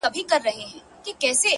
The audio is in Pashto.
• ستا څخه ډېر تـنگ ـ